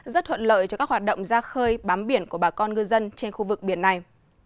rất thuận lợi cho các hoạt động ra khơi bám biển của bà con ngư dân trên khu vực biển này